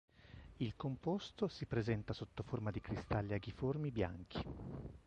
Il composto si presenta sotto forma di cristalli aghiformi bianchi.